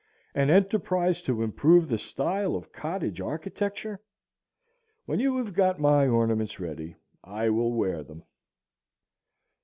An enterprise to improve the style of cottage architecture! When you have got my ornaments ready I will wear them.